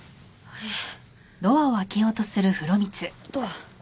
えっ？